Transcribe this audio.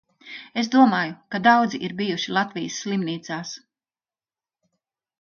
Es domāju, ka daudzi ir bijuši Latvijas slimnīcās.